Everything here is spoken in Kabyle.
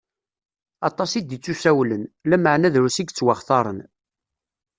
Aṭas i d-ittusawlen, lameɛna drus i yettwaxtaṛen.